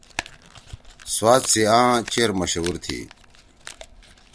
سوات سی آں چیر مشہور تُھی۔